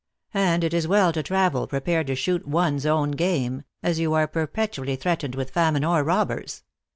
And it is well to travel prepared to shoot one s own game, as you are per petually threatened with famine or robbers.